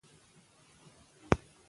پۀ ويستو کښې مدد ورکوي